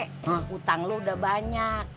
hutang lo udah banyak